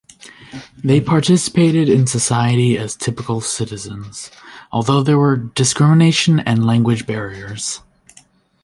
They participated in society as typical citizens, although there were discrimination and language barriers.